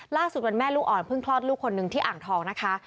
วันแม่ลูกอ่อนเพิ่งคลอดลูกคนหนึ่งที่อ่างทองนะคะ